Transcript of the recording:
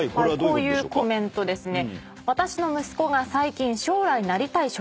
こういうコメントですね。